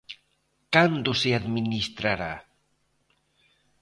Cando se administrará?